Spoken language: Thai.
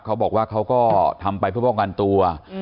เขาบอกว่าเขาก็ทำไปผ่วงกันตัว